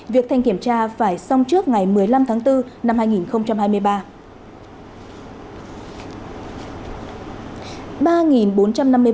việc thanh kiểm tra phải xong trước ngày một mươi năm tháng bốn năm hai nghìn hai mươi ba